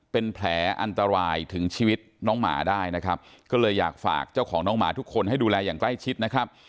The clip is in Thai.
เป็นแผลอันตรายถึงชีวิตน้องหมาได้นะครับก็เลยอยากฝากเจ้าของน้องหมาทุกคนให้ดูแลอย่างใกล้ชิดนะครับ